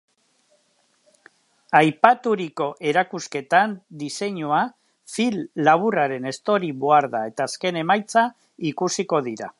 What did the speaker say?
Aipaturiko erakusketan diseinua, film laburraren story-boarda eta azken emaitza ikusiko dira.